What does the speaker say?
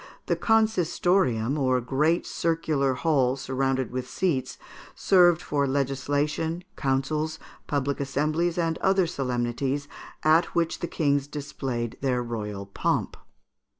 The consistorium, or great circular hall surrounded with seats, served for legislation, councils, public assemblies, and other solemnities, at which the kings displayed their royal pomp.